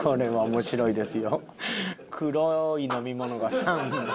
黒い飲み物が３も。